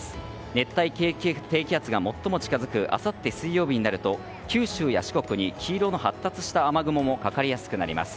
熱帯低気圧が最も近づくあさって水曜日になると九州や四国に黄色の発達した雨雲もかかりやすくなります。